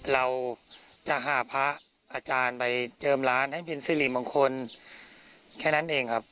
เราจะหาพระอาจารย์ไปเจิมร้านให้เป็นสิริมงคลแค่นั้นเองครับ